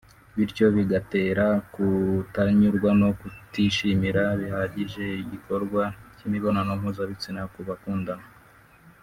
bityo bigatera kutanyurwa no kutishimira bihagije igikorwa cy’imibonano mpuzabitsina ku bakundanana